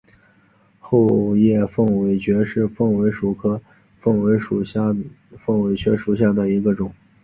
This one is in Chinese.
厚叶凤尾蕨为凤尾蕨科凤尾蕨属下的一个种。